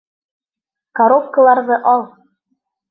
Коробкаларҙы ал.